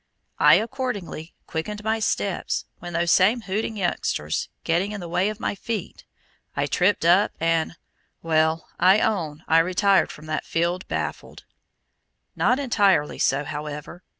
I accordingly quickened my steps when those same hooting youngsters getting in the way of my feet, I tripped up and well, I own I retired from that field baffled. Not entirely so, however.